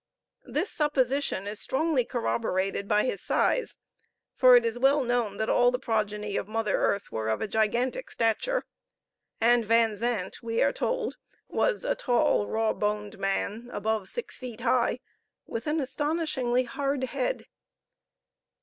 This supposition is strongly corroborated by his size, for it is well known that all the progeny of Mother Earth were of a gigantic stature; and Van Zandt, we are told, was a tall, raw boned man, above six feet high, with an astonishingly hard head.